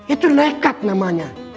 itu nekat namanya